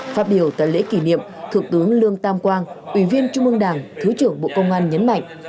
phát biểu tại lễ kỷ niệm thượng tướng lương tam quang ủy viên trung ương đảng thứ trưởng bộ công an nhấn mạnh